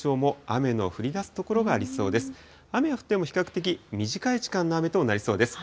雨は降っても、比較的短い時間の雨となりそうです。